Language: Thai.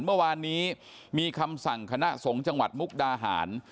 เมื่อวานนี้มีคำสั่งคณะสงฆ์จังหวัดมุกดาหาร